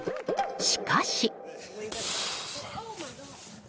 しかし。